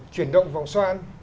chuyển động vòng xoan